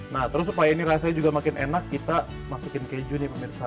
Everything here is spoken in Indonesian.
nah terus supaya ini rasanya juga makin enak kita masukin keju nih pemirsa